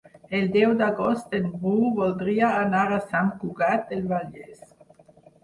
El deu d'agost en Bru voldria anar a Sant Cugat del Vallès.